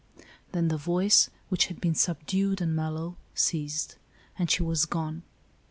Then the voice, which had been subdued and mellow, ceased ; and she was gone.